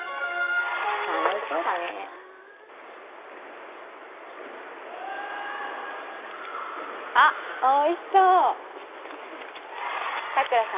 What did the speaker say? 楽しそうだねあっおいしそう佐倉さん